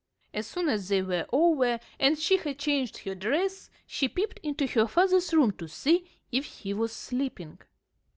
As soon as they were over, and she had changed her dress, she peeped into her father's room to see if he was sleeping.